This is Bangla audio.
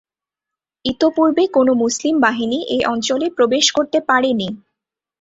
ইতঃপূর্বে কোনো মুসলিম বাহিনী এ অঞ্চলে প্রবেশ করতে পারে নি।